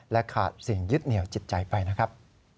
ขาดสิ่งยึดเหนียวจิตใจไปนะครับ